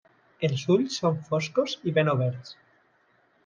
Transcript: Els ulls són foscos i ben oberts.